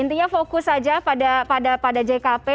intinya fokus saja pada jkp